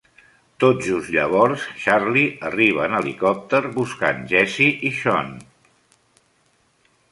Tot just llavors Charlie arriba en helicòpter buscant Jessie i Sean.